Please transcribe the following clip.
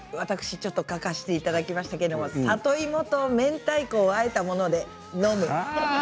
私も書かせていただきましたけど、里芋とめんたいこをあえたもので呑む。